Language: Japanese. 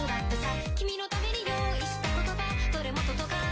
「君の為に用意した言葉どれも届かない」